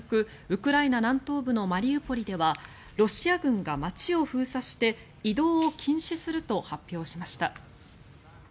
ウクライナ南東部のマリウポリではロシア軍が街を封鎖して移動を禁止すると発表しました。